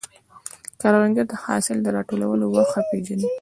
کروندګر د حاصل د راټولولو وخت ښه پېژني